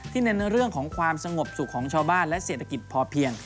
เน้นเรื่องของความสงบสุขของชาวบ้านและเศรษฐกิจพอเพียง